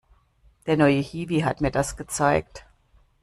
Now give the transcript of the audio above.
Der neue Hiwi hat mir das gezeigt.